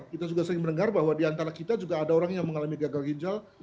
kita juga sering mendengar bahwa di antara kita juga ada orang yang mengalami gagal ginjal